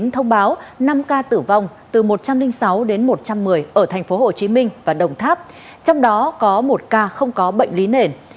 thông báo năm ca tử vong từ một trăm linh sáu đến một trăm một mươi ở tp hcm và đồng tháp trong đó có một ca không có bệnh lý nền